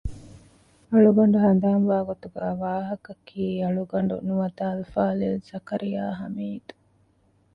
އަޅުގަނޑު ހަނދާންވާ ގޮތުގައި ވާހަކަ ކިއީ އަޅުގަޑު ނުވަތަ އަލްފާޟިލް ޒަކަރިޔާ ޙަމީދު